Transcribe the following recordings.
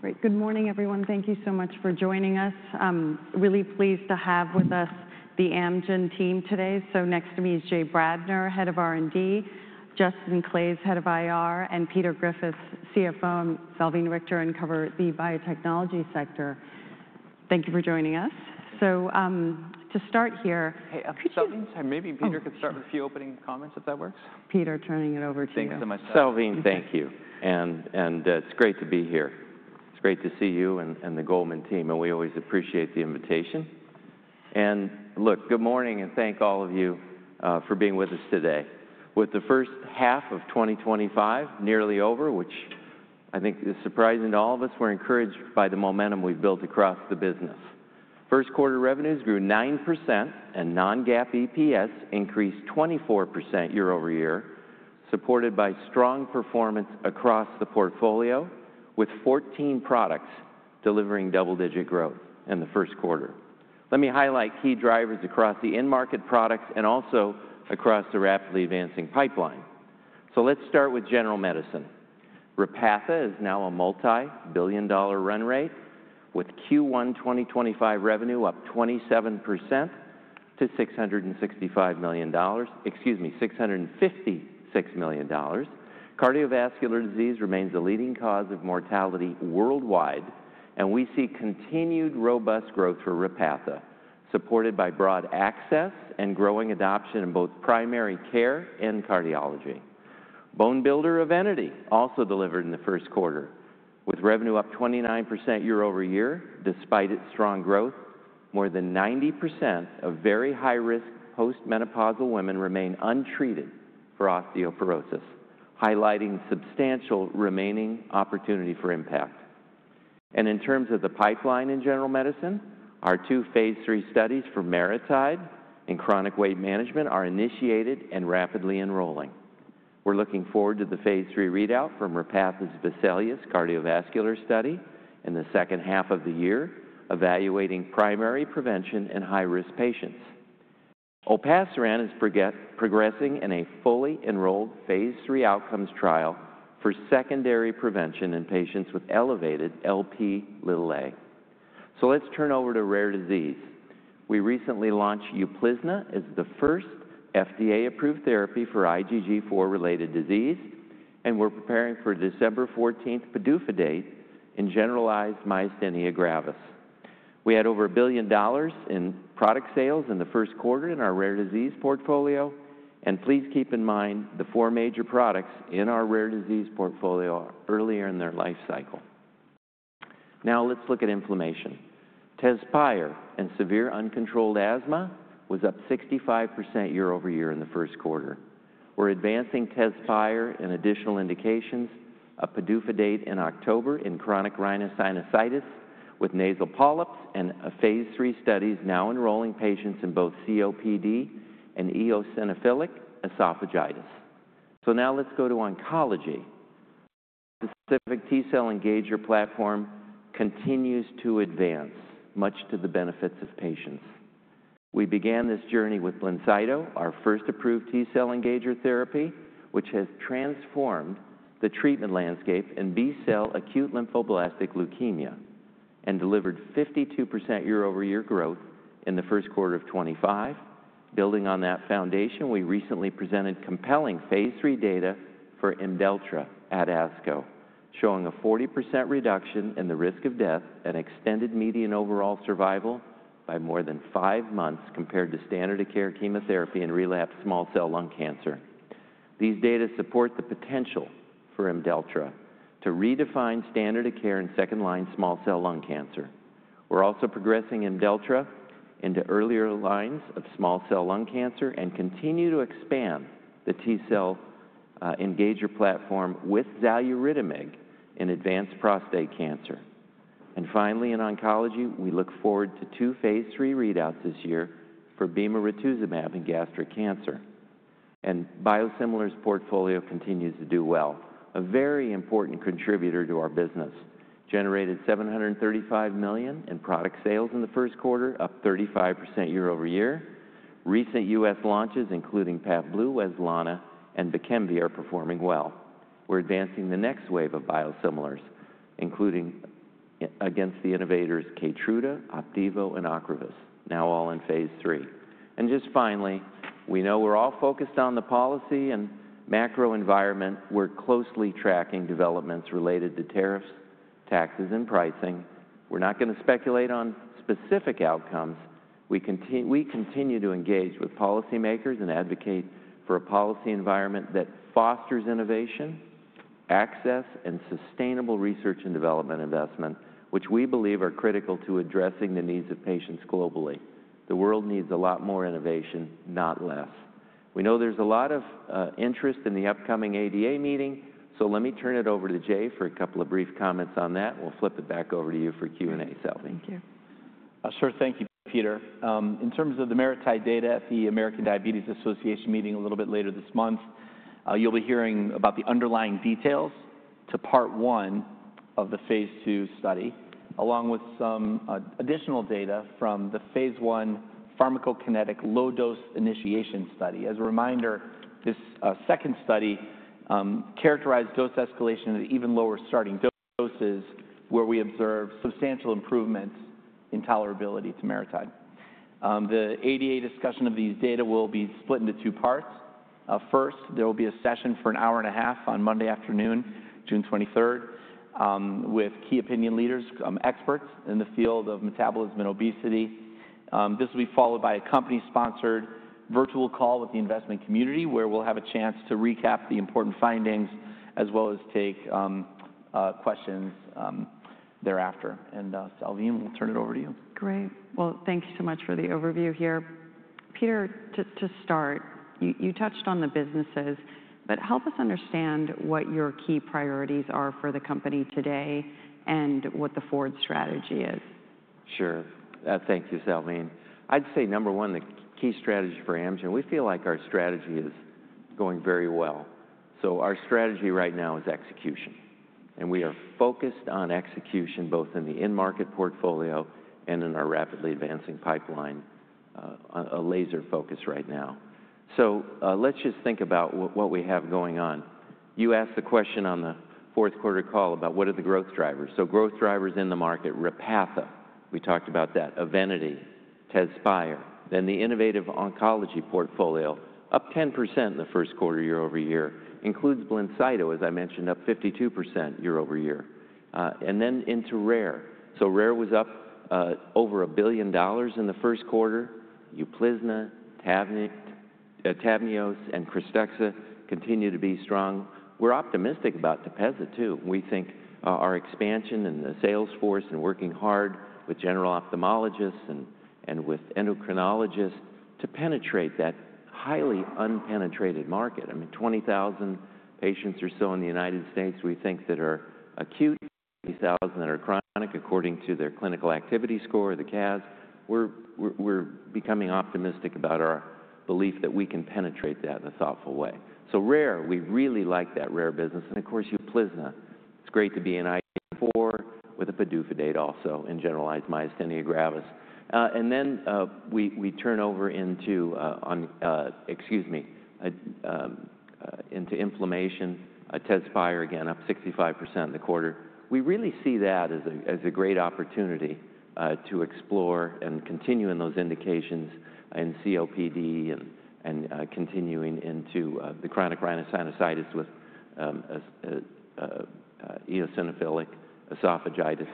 Great. Good morning, everyone. Thank you so much for joining us. I'm really pleased to have with us the Amgen team today. Next to me is Jay Bradner, Head of R&D, Justin Claeys, Head of IR, and Peter Griffith, CFO, and Salveen Richter uncover the biotechnology sector. Thank you for joining us. To start here. Could you maybe, Peter, could start with a few opening comments if that works? Peter, turning it over to you. Thank you so much. Salveen, thank you. It is great to be here. It is great to see you and the Goldman team. We always appreciate the invitation. Look, good morning and thank all of you for being with us today. With the first half of 2025 nearly over, which I think is surprising to all of us, we are encouraged by the momentum we have built across the business. First quarter revenues grew 9% and non-GAAP EPS increased 24% year over year, supported by strong performance across the portfolio with 14 products delivering double-digit growth in the first quarter. Let me highlight key drivers across the in-market products and also across the rapidly advancing pipeline. Let us start with general medicine. Repatha is now a multi-billion-dollar run rate with Q1 2025 revenue up 27% to $665 million. Excuse me, $656 million. Cardiovascular disease remains the leading cause of mortality worldwide, and we see continued robust growth for Repatha, supported by broad access and growing adoption in both primary care and cardiology. Bone Builder Evenity also delivered in the first quarter with revenue up 29% year over year. Despite its strong growth, more than 90% of very high-risk postmenopausal women remain untreated for osteoporosis, highlighting substantial remaining opportunity for impact. In terms of the pipeline in general medicine, our two phase three studies for MariTide in chronic weight management are initiated and rapidly enrolling. We are looking forward to the phase three readout from Repatha's Vesalius cardiovascular study in the second half of the year, evaluating primary prevention in high-risk patients. Olpasiran is progressing in a fully enrolled phase three outcomes trial for secondary prevention in patients with elevated Lp(a). Let's turn over to rare disease. We recently launched Euplisna as the first FDA-approved therapy for IgG4-related disease, and we're preparing for December 14th PDUFA date in generalized myasthenia gravis. We had over $1 billion in product sales in the first quarter in our rare disease portfolio. Please keep in mind the four major products in our rare disease portfolio are earlier in their life cycle. Now let's look at inflammation. Tezspire in severe uncontrolled asthma was up 65% year over year in the first quarter. We're advancing Tezspire in additional indications with a PDUFA date in October in Chronic Rhinosinusitis with Nasal Polyps and phase three studies now enrolling patients in both COPD and eosinophilic esophagitis. Now let's go to oncology. Specific T-cell engager platform continues to advance much to the benefits of patients. We began this journey with Blincyto, our first approved T-cell engager therapy, which has transformed the treatment landscape in B-cell acute lymphoblastic leukemia and delivered 52% year over year growth in the first quarter of 2025. Building on that foundation, we recently presented compelling phase three data for Tarlatamab at ASCO, showing a 40% reduction in the risk of death and extended median overall survival by more than five months compared to standard of care chemotherapy in relapsed small cell lung cancer. These data support the potential for Tarlatamab to redefine standard of care in second line small cell lung cancer. We are also progressing Tarlatamab into earlier lines of small cell lung cancer and continue to expand the T-cell engager platform with Xaluridomig in advanced prostate cancer. Finally, in oncology, we look forward to two phase three readouts this year for Bemarituzumab in gastric cancer. Biosimilars portfolio continues to do well. A very important contributor to our business generated $735 million in product sales in the first quarter, up 35% year over year. Recent U.S. launches, including Pavlu, Wezlana, and Vikembi, are performing well. We are advancing the next wave of biosimilars, including against the innovators Keytruda, Opdivo, and Ocrevus, now all in phase three. Just finally, we know we are all focused on the policy and macro environment. We are closely tracking developments related to tariffs, taxes, and pricing. We are not going to speculate on specific outcomes. We continue to engage with policymakers and advocate for a policy environment that fosters innovation, access, and sustainable research and development investment, which we believe are critical to addressing the needs of patients globally. The world needs a lot more innovation, not less. We know there's a lot of interest in the upcoming ADA meeting, so let me turn it over to Jay for a couple of brief comments on that. We'll flip it back over to you for Q&A, Salveen. Thank you. Sure. Thank you, Peter. In terms of the MariTide data at the American Diabetes Association meeting a little bit later this month, you'll be hearing about the underlying details to part one of the phase two study, along with some additional data from the phase one pharmacokinetic low-dose initiation study. As a reminder, this second study characterized dose escalation at even lower starting doses, where we observed substantial improvements in tolerability to MariTide. The ADA discussion of these data will be split into two parts. First, there will be a session for an hour and a half on Monday afternoon, June 23, with key opinion leaders, experts in the field of metabolism and obesity. This will be followed by a company-sponsored virtual call with the investment community, where we'll have a chance to recap the important findings as well as take questions thereafter. Salveen, we'll turn it over to you. Great. Thank you so much for the overview here. Peter, to start, you touched on the businesses, but help us understand what your key priorities are for the company today and what the forward strategy is. Sure. Thank you, Salveen. I'd say number one, the key strategy for Amgen, we feel like our strategy is going very well. Our strategy right now is execution, and we are focused on execution both in the in-market portfolio and in our rapidly advancing pipeline, a laser focus right now. Let's just think about what we have going on. You asked the question on the fourth quarter call about what are the growth drivers. Growth drivers in the market, Repatha, we talked about that, Evenity, Tezspire, then the innovative oncology portfolio, up 10% in the first quarter year over year, includes Linzido, as I mentioned, up 52% year over year. Into Rare. Rare was up over $1 billion in the first quarter. Euplisna, Tabneos, and Krystexxa continue to be strong. We're optimistic about Tepezza too. We think our expansion and the sales force and working hard with general ophthalmologists and with endocrinologists to penetrate that highly unpenetrated market. I mean, 20,000 patients or so in the United States we think that are acute, 20,000 that are chronic according to their clinical activity score, the CAHS. We're becoming optimistic about our belief that we can penetrate that in a thoughtful way. Rare, we really like that Rare business. Of course, Euplisna. It's great to be in IgG4 with a PDUFA date also in generalized myasthenia gravis. Then we turn over into, excuse me, into inflammation, Tezspire again, up 65% in the quarter. We really see that as a great opportunity to explore and continue in those indications in COPD and continuing into the chronic rhinosinusitis with eosinophilic esophagitis.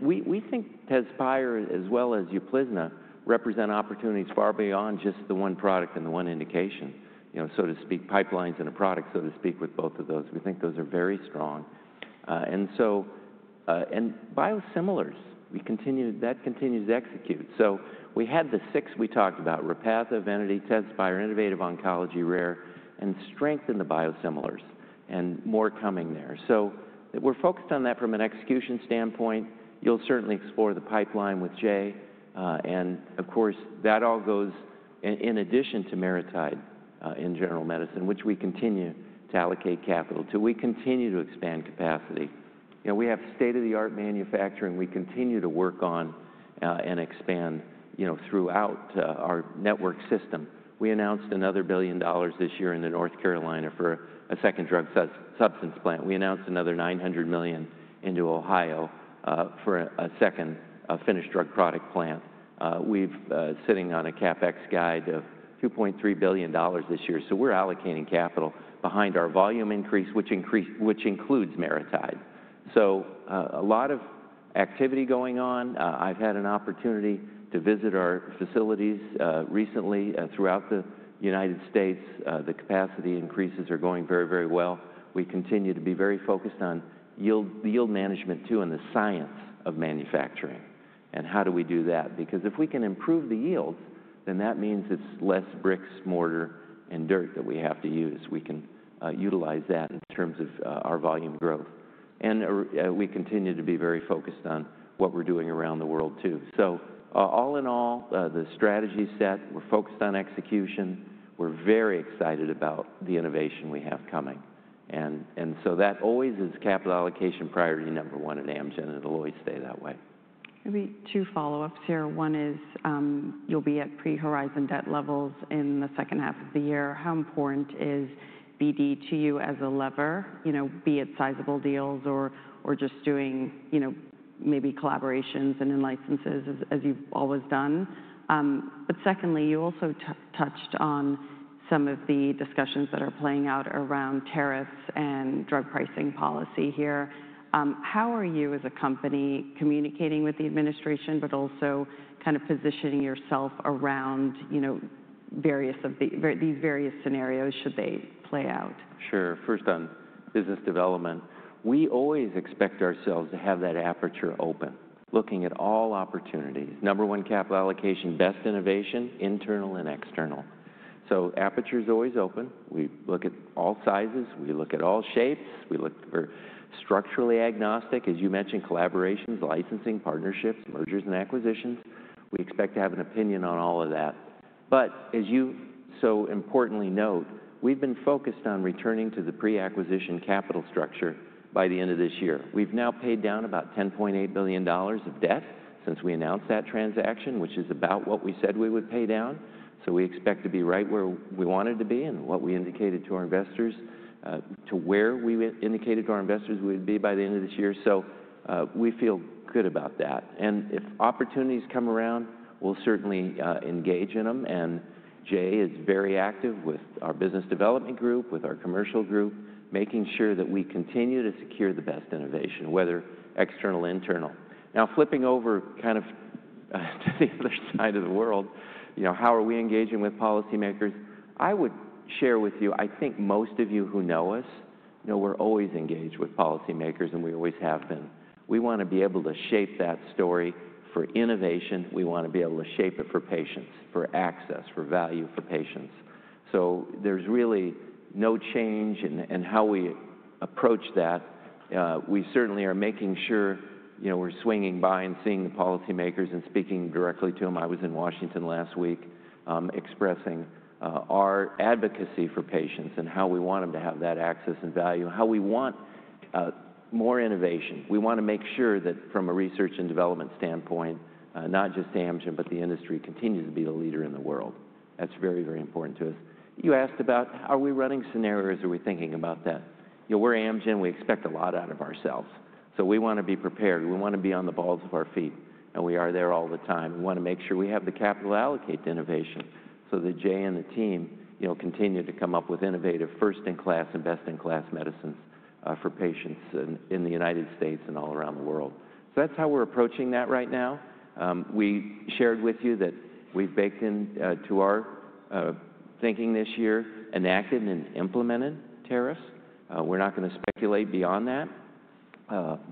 We think Tezspire, as well as Euplisna, represent opportunities far beyond just the one product and the one indication, so to speak, pipelines in a product, so to speak, with both of those. We think those are very strong. Biosimilars, that continues to execute. We had the six we talked about, Repatha, Evenity, Tezspire, innovative oncology, Rare, and strengthen the biosimilars, and more coming there. We are focused on that from an execution standpoint. You will certainly explore the pipeline with Jay. Of course, that all goes in addition to MariTide in general medicine, which we continue to allocate capital to. We continue to expand capacity. We have state-of-the-art manufacturing. We continue to work on and expand throughout our network system. We announced another $1 billion this year in North Carolina for a second drug substance plant. We announced another $900 million into Ohio for a second finished drug product plant. We're sitting on a CapEx guide of $2.3 billion this year. We're allocating capital behind our volume increase, which includes MariTide. A lot of activity going on. I've had an opportunity to visit our facilities recently throughout the United States. The capacity increases are going very, very well. We continue to be very focused on yield management too and the science of manufacturing and how do we do that. Because if we can improve the yields, then that means it's less bricks, mortar, and dirt that we have to use. We can utilize that in terms of our volume growth. We continue to be very focused on what we're doing around the world too. All in all, the strategy set, we're focused on execution. We're very excited about the innovation we have coming. That always is capital allocation priority number one at Amgen and it'll always stay that way. Maybe two follow-ups here. One is you'll be at pre-Horizon debt levels in the second half of the year. How important is BD to you as a lever, be it sizable deals or just doing maybe collaborations and in-licenses as you've always done. Secondly, you also touched on some of the discussions that are playing out around tariffs and drug pricing policy here. How are you as a company communicating with the administration, but also kind of positioning yourself around these various scenarios should they play out? Sure. First on business development. We always expect ourselves to have that aperture open, looking at all opportunities. Number one, capital allocation, best innovation, internal and external. So aperture is always open. We look at all sizes. We look at all shapes. We look for structurally agnostic, as you mentioned, collaborations, licensing, partnerships, mergers and acquisitions. We expect to have an opinion on all of that. As you so importantly note, we've been focused on returning to the pre-acquisition capital structure by the end of this year. We've now paid down about $10.8 billion of debt since we announced that transaction, which is about what we said we would pay down. We expect to be right where we wanted to be and what we indicated to our investors, to where we indicated to our investors we would be by the end of this year. We feel good about that. If opportunities come around, we'll certainly engage in them. Jay is very active with our business development group, with our commercial group, making sure that we continue to secure the best innovation, whether external or internal. Now, flipping over kind of to the other side of the world, how are we engaging with policymakers? I would share with you, I think most of you who know us know we're always engaged with policymakers and we always have been. We want to be able to shape that story for innovation. We want to be able to shape it for patients, for access, for value for patients. There is really no change in how we approach that. We certainly are making sure we're swinging by and seeing the policymakers and speaking directly to them. I was in Washington, D.C. last week expressing our advocacy for patients and how we want them to have that access and value, how we want more innovation. We want to make sure that from a research and development standpoint, not just Amgen, but the industry continues to be the leader in the world. That is very, very important to us. You asked about how are we running scenarios. Are we thinking about that? We are Amgen. We expect a lot out of ourselves. We want to be prepared. We want to be on the balls of our feet. We are there all the time. We want to make sure we have the capital to allocate to innovation so that Jay and the team continue to come up with innovative, first-in-class and best-in-class medicines for patients in the United States and all around the world. That's how we're approaching that right now. We shared with you that we've baked into our thinking this year, enacted and implemented tariffs. We're not going to speculate beyond that.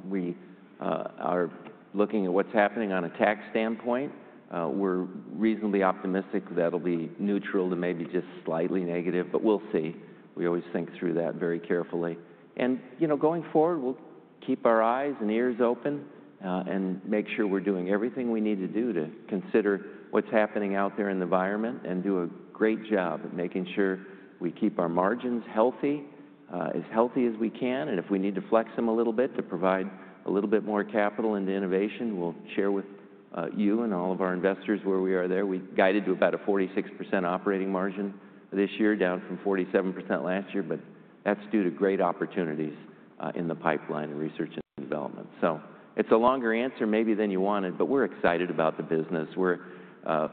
We are looking at what's happening on a tax standpoint. We're reasonably optimistic that it'll be neutral to maybe just slightly negative, but we'll see. We always think through that very carefully. Going forward, we'll keep our eyes and ears open and make sure we're doing everything we need to do to consider what's happening out there in the environment and do a great job at making sure we keep our margins healthy, as healthy as we can. If we need to flex them a little bit to provide a little bit more capital into innovation, we'll share with you and all of our investors where we are there. We guided to about a 46% operating margin this year, down from 47% last year, but that's due to great opportunities in the pipeline and research and development. It is a longer answer maybe than you wanted, but we're excited about the business. We're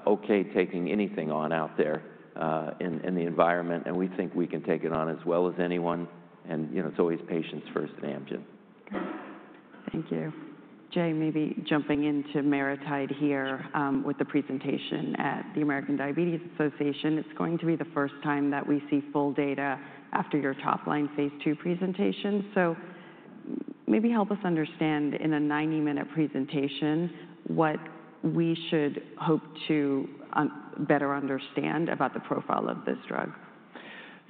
okay taking anything on out there in the environment, and we think we can take it on as well as anyone. It is always patients first at Amgen. Thank you. Jay, maybe jumping into MariTide here with the presentation at the American Diabetes Association. It's going to be the first time that we see full data after your top-line phase two presentation. Maybe help us understand in a 90-minute presentation what we should hope to better understand about the profile of this drug.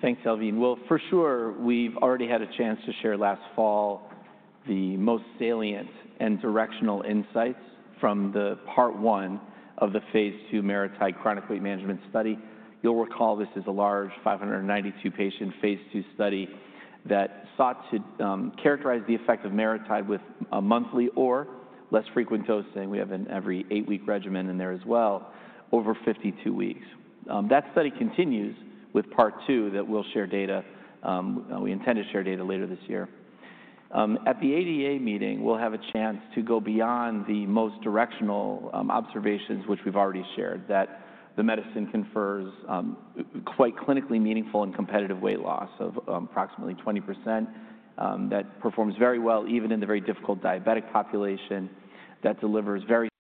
Thanks, Salveen. For sure, we've already had a chance to share last fall the most salient and directional insights from the part one of the phase two MariTide chronic weight management study. You'll recall this is a large 592-patient phase two study that sought to characterize the effect of MariTide with a monthly or less frequent dosing. We have an every eight-week regimen in there as well, over 52 weeks. That study continues with part two that we'll share data. We intend to share data later this year. At the ADA meeting, we'll have a chance to go beyond the most directional observations, which we've already shared, that the medicine confers quite clinically meaningful and competitive weight loss of approximately 20%, that performs very well even in the very difficult diabetic population, that delivers very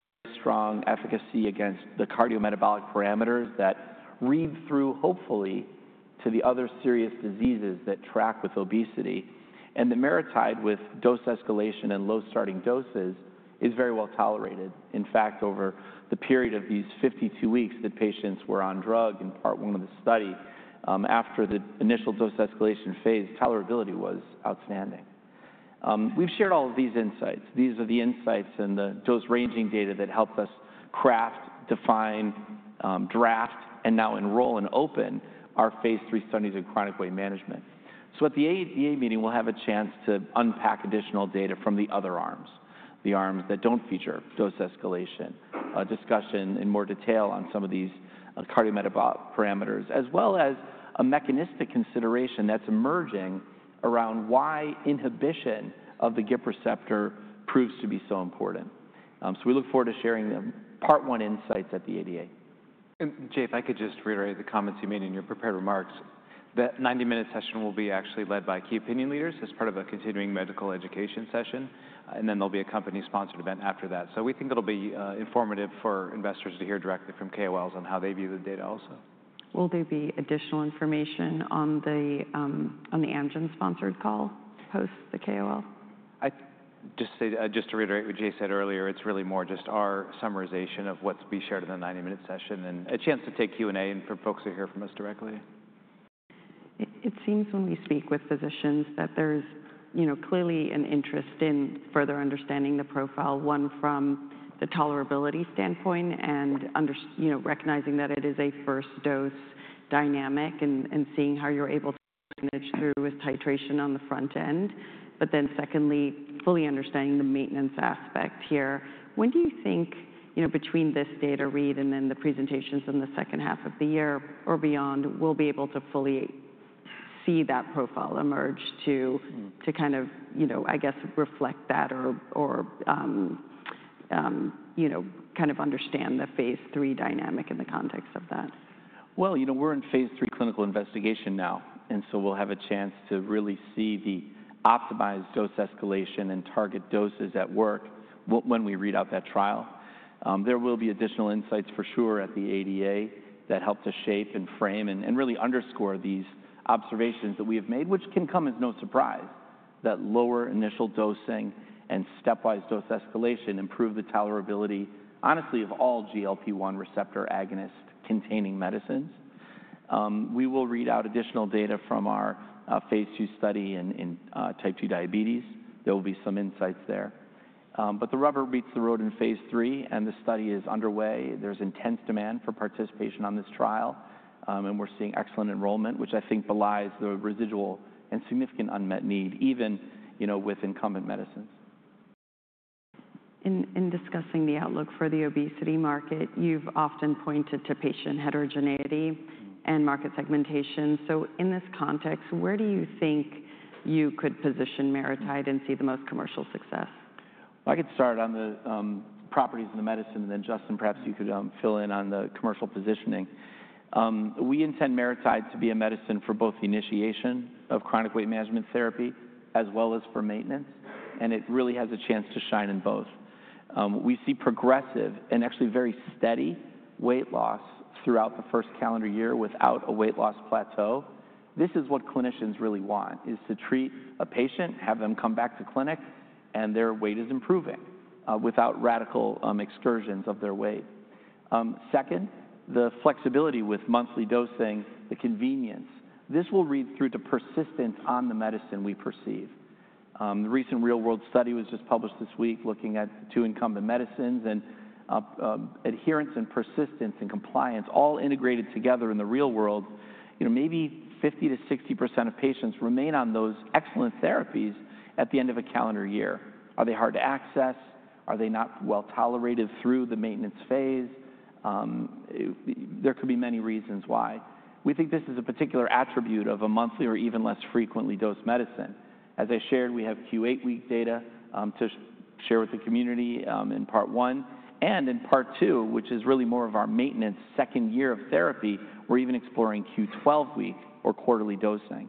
strong efficacy against the Cardiometabolic Parameters that read through, hopefully, to the other serious diseases that track with obesity. The MariTide with dose escalation and low starting doses is very well tolerated. In fact, over the period of these 52 weeks that patients were on drug in part one of the study, after the initial dose escalation phase, tolerability was outstanding. We've shared all of these insights. These are the insights and the dose ranging data that helps us craft, define, draft, and now enroll and open our phase three studies of chronic weight management. At the ADA meeting, we'll have a chance to unpack additional data from the other arms, the arms that do not feature dose escalation, discussion in more detail on some of these Cardiometabolic Parameters, as well as a mechanistic consideration that is emerging around why inhibition of the GIP receptor proves to be so important. We look forward to sharing the part one insights at the ADA. Jay, if I could just reiterate the comments you made in your prepared remarks, that 90-minute session will be actually led by key opinion leaders as part of a continuing medical education session, and then there'll be a company-sponsored event after that. We think it'll be informative for investors to hear directly from KOLs on how they view the data also. Will there be additional information on the Amgen-sponsored call post the KOL? Just to reiterate what Jay said earlier, it's really more just our summarization of what we shared in the 90-minute session and a chance to take Q&A and for folks to hear from us directly. It seems when we speak with physicians that there's clearly an interest in further understanding the profile, one from the tolerability standpoint and recognizing that it is a first dose dynamic and seeing how you're able to manage through with titration on the front end. Then secondly, fully understanding the maintenance aspect here. When do you think between this data read and then the presentations in the second half of the year or beyond, we'll be able to fully see that profile emerge to kind of, I guess, reflect that or kind of understand the phase three dynamic in the context of that? We're in phase three clinical investigation now, and so we'll have a chance to really see the optimized dose escalation and target doses at work when we read out that trial. There will be additional insights for sure at the ADA that help to shape and frame and really underscore these observations that we have made, which can come as no surprise that lower initial dosing and stepwise dose escalation improve the tolerability, honestly, of all GLP-1 receptor agonist-containing medicines. We will read out additional data from our phase two study in type 2 diabetes. There will be some insights there. The rubber meets the road in phase three, and the study is underway. There's intense demand for participation on this trial, and we're seeing excellent enrollment, which I think belies the residual and significant unmet need even with incumbent medicines. In discussing the outlook for the obesity market, you've often pointed to patient heterogeneity and market segmentation. In this context, where do you think you could position MariTide and see the most commercial success? I could start on the properties of the medicine, and then Justin, perhaps you could fill in on the commercial positioning. We intend MariTide to be a medicine for both the initiation of chronic weight management therapy as well as for maintenance, and it really has a chance to shine in both. We see progressive and actually very steady weight loss throughout the first calendar year without a weight loss plateau. This is what clinicians really want, is to treat a patient, have them come back to clinic, and their weight is improving without radical excursions of their weight. Second, the flexibility with monthly dosing, the convenience. This will read through to persistence on the medicine we perceive. The recent real-world study was just published this week looking at two incumbent medicines and adherence and persistence and compliance, all integrated together in the real world. Maybe 50%-60% of patients remain on those excellent therapies at the end of a calendar year. Are they hard to access? Are they not well tolerated through the maintenance phase? There could be many reasons why. We think this is a particular attribute of a monthly or even less frequently dosed medicine. As I shared, we have Q8-week data to share with the community in part one and in part two, which is really more of our maintenance second year of therapy. We're even exploring Q12-week or quarterly dosing,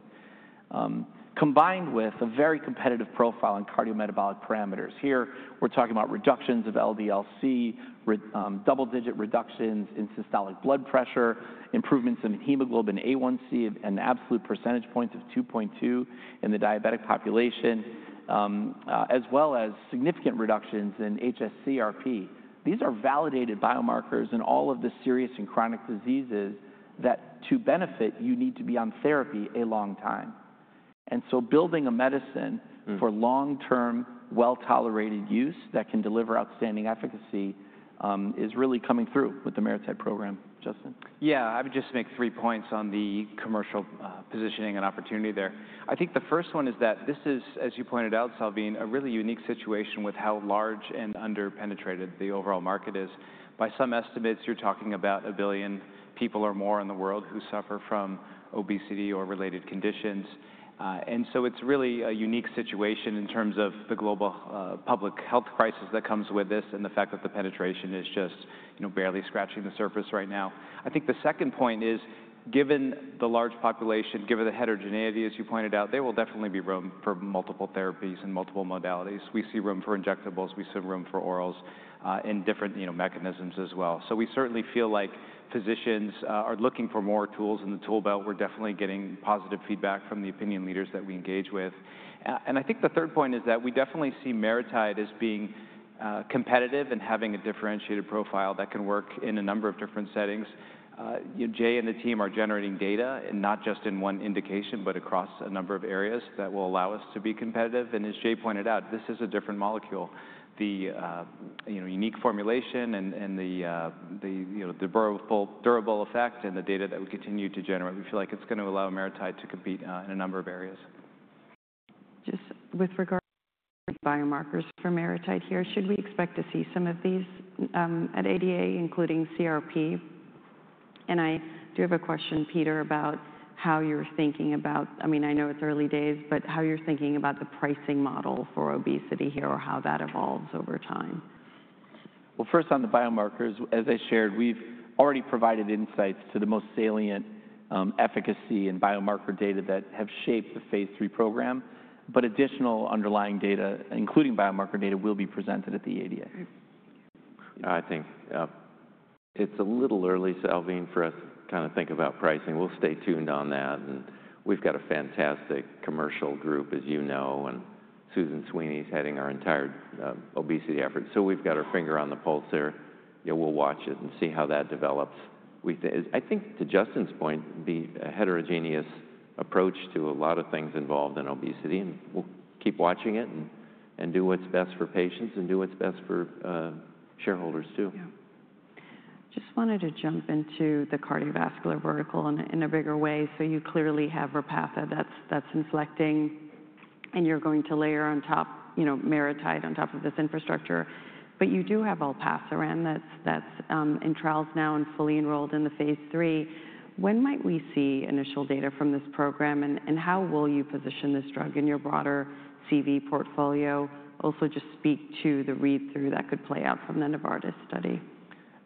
combined with a very competitive profile in Cardiometabolic Parameters. Here, we're talking about reductions of LDL-C, double-digit reductions in systolic blood pressure, improvements in HbA1c, an absolute percentage point of 2.2 in the diabetic population, as well as significant reductions in HSCRP. These are validated biomarkers in all of the serious and chronic diseases that to benefit, you need to be on therapy a long time. Building a medicine for long-term well-tolerated use that can deliver outstanding efficacy is really coming through with the MariTide program. Justin. Yeah, I would just make three points on the commercial positioning and opportunity there. I think the first one is that this is, as you pointed out, Salveen, a really unique situation with how large and under-penetrated the overall market is. By some estimates, you're talking about a billion people or more in the world who suffer from obesity or related conditions. It is really a unique situation in terms of the global public health crisis that comes with this and the fact that the penetration is just barely scratching the surface right now. I think the second point is, given the large population, given the heterogeneity, as you pointed out, there will definitely be room for multiple therapies and multiple modalities. We see room for injectables. We see room for orals in different mechanisms as well. We certainly feel like physicians are looking for more tools in the tool belt. We're definitely getting positive feedback from the opinion leaders that we engage with. I think the third point is that we definitely see MariTide as being competitive and having a differentiated profile that can work in a number of different settings. Jay and the team are generating data and not just in one indication, but across a number of areas that will allow us to be competitive. As Jay pointed out, this is a different molecule. The unique formulation and the durable effect and the data that we continue to generate, we feel like it's going to allow MariTide to compete in a number of areas. Just with regard to biomarkers for MariTide here, should we expect to see some of these at ADA, including CRP? I do have a question, Peter, about how you're thinking about, I mean, I know it's early days, but how you're thinking about the pricing model for obesity here or how that evolves over time. First on the biomarkers, as I shared, we've already provided insights to the most salient efficacy and biomarker data that have shaped the phase three program. Additional underlying data, including biomarker data, will be presented at the ADA. I think it's a little early, Salveen, for us to kind of think about pricing. We'll stay tuned on that. We've got a fantastic commercial group, as you know, and Susan Sweeney is heading our entire obesity effort. So we've got our finger on the pulse here. We'll watch it and see how that develops. I think to Justin's point, the heterogeneous approach to a lot of things involved in obesity, and we'll keep watching it and do what's best for patients and do what's best for shareholders too. Yeah. Just wanted to jump into the cardiovascular vertical in a bigger way. You clearly have Repatha that's inflecting, and you're going to layer on top MariTide on top of this infrastructure. You do have olpasiran that's in trials now and fully enrolled in the phase three. When might we see initial data from this program, and how will you position this drug in your broader CV portfolio? Also just speak to the read-through that could play out from the Novartis study.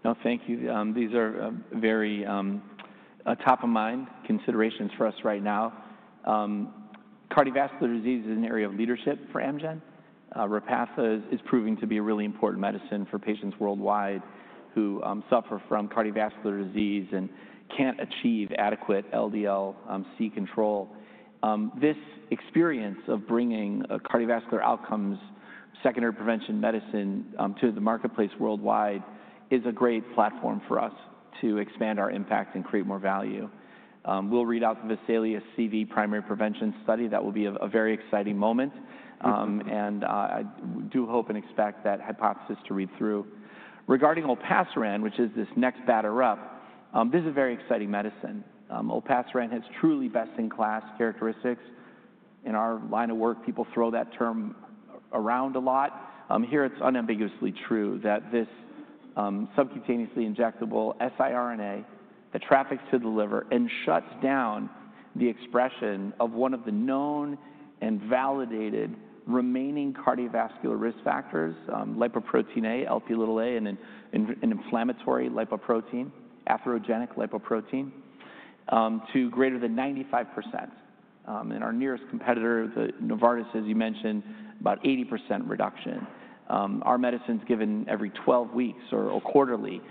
No, thank you. These are very top-of-mind considerations for us right now. Cardiovascular disease is an area of leadership for Amgen. Repatha is proving to be a really important medicine for patients worldwide who suffer from cardiovascular disease and can't achieve adequate LDL-C control. This experience of bringing cardiovascular outcomes, secondary prevention medicine to the marketplace worldwide is a great platform for us to expand our impact and create more value. We'll read out the Vesalius CV primary prevention study. That will be a very exciting moment. I do hope and expect that hypothesis to read through. Regarding olpasiran, which is this next batter up, this is a very exciting medicine. Olpasiran has truly best-in-class characteristics. In our line of work, people throw that term around a lot. Here, it's unambiguously true that this subcutaneously injectable siRNA that traffics to the liver and shuts down the expression of one of the known and validated remaining cardiovascular risk factors, lipoprotein(a), Lp(a), and an inflammatory lipoprotein, atherogenic lipoprotein, to greater than 95%. Our nearest competitor, Novartis, as you mentioned, about 80% reduction. Our medicine's given every 12 weeks or quarterly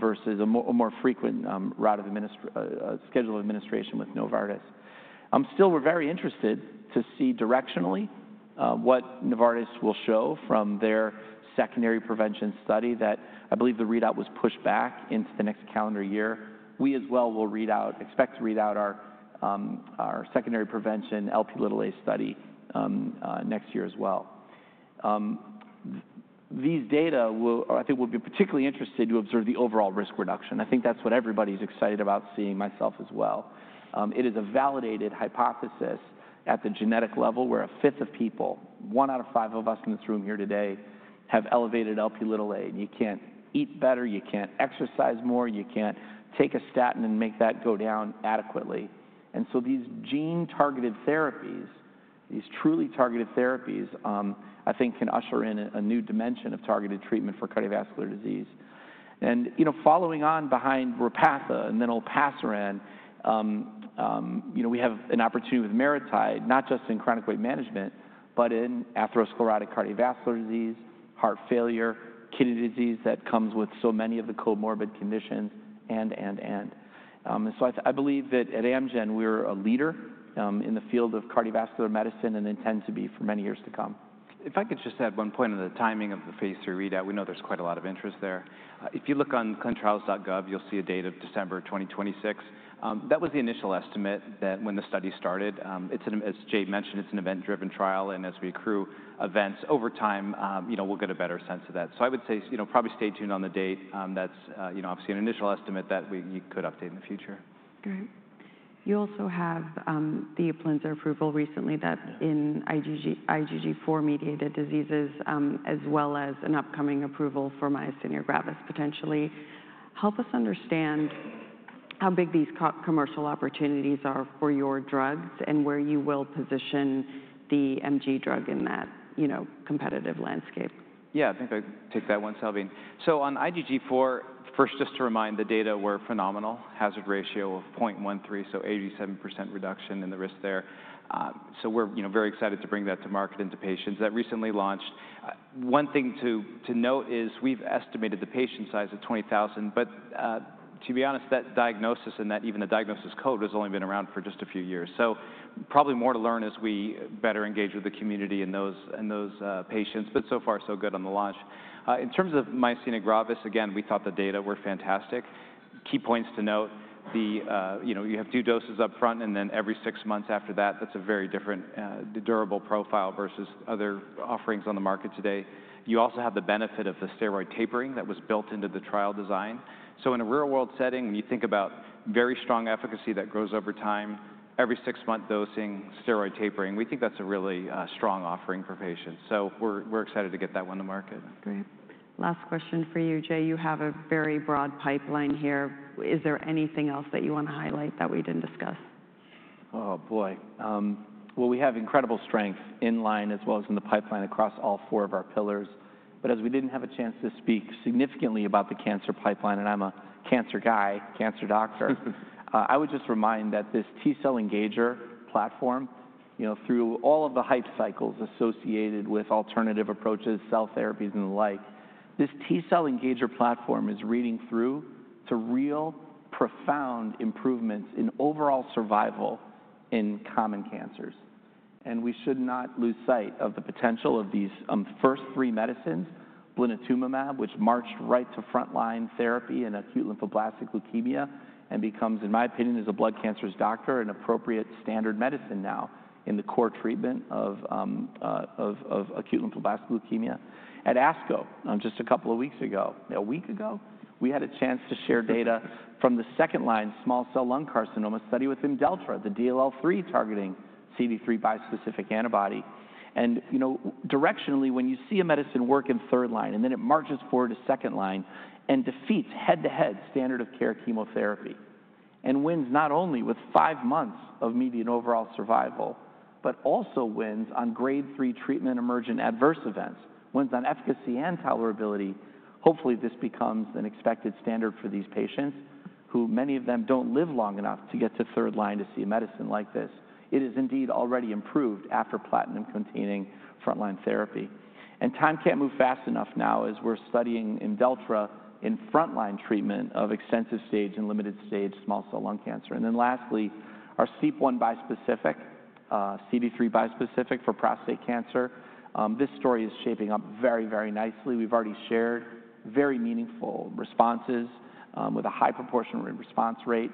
versus a more frequent route of schedule of administration with Novartis. Still, we're very interested to see directionally what Novartis will show from their secondary prevention study that I believe the readout was pushed back into the next calendar year. We as well will read out, expect to read out our secondary prevention Lp(a) study next year as well. These data, I think we'll be particularly interested to observe the overall risk reduction. I think that's what everybody's excited about seeing, myself as well. It is a validated hypothesis at the genetic level where a fifth of people, one out of five of us in this room here today, have elevated Lp(a). You can't eat better. You can't exercise more. You can't take a statin and make that go down adequately. These gene-targeted therapies, these truly targeted therapies, I think can usher in a new dimension of targeted treatment for cardiovascular disease. Following on behind Repatha and then olpasiran, we have an opportunity with MariTide, not just in chronic weight management, but in atherosclerotic cardiovascular disease, heart failure, kidney disease that comes with so many of the comorbid conditions, and, and, and. I believe that at Amgen, we're a leader in the field of cardiovascular medicine and intend to be for many years to come. If I could just add one point on the timing of the phase three readout, we know there's quite a lot of interest there. If you look on clinicaltrials.gov, you'll see a date of December 2026. That was the initial estimate when the study started. As Jay mentioned, it's an event-driven trial, and as we accrue events over time, we'll get a better sense of that. I would say probably stay tuned on the date. That's obviously an initial estimate that you could update in the future. Great. You also have the Euplisna approval recently in IgG4-related disease, as well as an upcoming approval for myasthenia gravis potentially. Help us understand how big these commercial opportunities are for your drugs and where you will position the MG drug in that competitive landscape. Yeah, I think I take that one, Salveen. On IgG4, first, just to remind, the data were phenomenal. Hazard ratio of 0.13, so 87% reduction in the risk there. We are very excited to bring that to market and to patients. That recently launched. One thing to note is we've estimated the patient size at 20,000, but to be honest, that diagnosis and even the diagnosis code has only been around for just a few years. Probably more to learn as we better engage with the community and those patients, but so far, so good on the launch. In terms of myasthenia gravis, again, we thought the data were fantastic. Key points to note, you have two doses upfront and then every six months after that. That is a very different durable profile versus other offerings on the market today. You also have the benefit of the steroid tapering that was built into the trial design. In a real-world setting, when you think about very strong efficacy that grows over time, every six-month dosing, steroid tapering, we think that's a really strong offering for patients. We're excited to get that one to market. Great. Last question for you, Jay. You have a very broad pipeline here. Is there anything else that you want to highlight that we did not discuss? Oh, boy. We have incredible strength in line as well as in the pipeline across all four of our pillars. As we did not have a chance to speak significantly about the cancer pipeline, and I am a cancer guy, cancer doctor, I would just remind that this T-cell engager platform, through all of the hype cycles associated with alternative approaches, cell therapies and the like, this T-cell engager platform is reading through to real profound improvements in overall survival in common cancers. We should not lose sight of the potential of these first three medicines, blinatumomab, which marched right to frontline therapy in acute lymphoblastic leukemia and becomes, in my opinion, as a blood cancer doctor, an appropriate standard medicine now in the core treatment of acute lymphoblastic leukemia. At ASCO, just a couple of weeks ago, a week ago, we had a chance to share data from the second-line small cell lung carcinoma study with Imdeltra, the DLL3 targeting CD3 bispecific antibody. Directionally, when you see a medicine work in third line and then it marches forward to second line and defeats head-to-head standard of care chemotherapy and wins not only with five months of median overall survival, but also wins on grade 3 treatment emergent adverse events, wins on efficacy and tolerability, hopefully this becomes an expected standard for these patients who many of them don't live long enough to get to third line to see a medicine like this. It is indeed already improved after platinum-containing frontline therapy. Time can't move fast enough now as we're studying Imdeltra in frontline treatment of extensive stage and limited stage small cell lung cancer. Lastly, our SEEP1 bispecific, CD3 bispecific for prostate cancer. This story is shaping up very, very nicely. We've already shared very meaningful responses with a high proportional response rate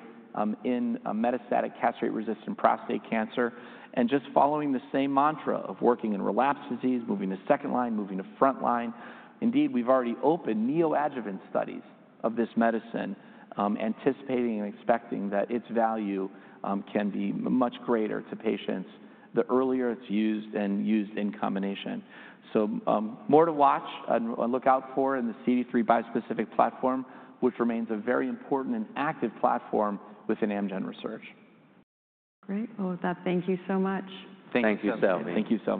in metastatic castrate-resistant prostate cancer. Just following the same mantra of working in relapse disease, moving to second line, moving to frontline, indeed, we've already opened neoadjuvant studies of this medicine, anticipating and expecting that its value can be much greater to patients the earlier it's used and used in combination. More to watch and look out for in the CD3 bispecific platform, which remains a very important and active platform within Amgen Research. Great. With that, thank you so much. Thank you, Salveen. Thank you.